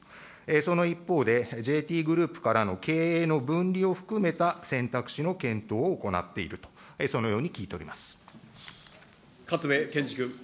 その一方で、ＪＴグループからの経営の分離を含めた選択肢の検討を行っている勝部賢志君。